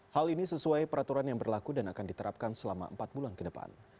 hal ini sesuai peraturan yang berlaku dan akan diterapkan selama empat bulan ke depan